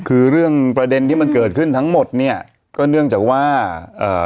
คือเรื่องประเด็นที่มันเกิดขึ้นทั้งหมดเนี้ยก็เนื่องจากว่าเอ่อ